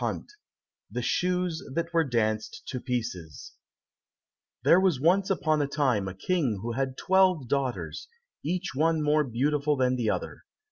133 The Shoes That Were Danced to Pieces There was once upon a time a King who had twelve daughters, each one more beautiful than the other.